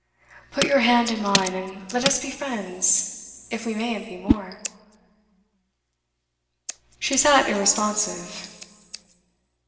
Put your hand in mine, and let us be friends, if we mayn't be more.' She sat irresponsive.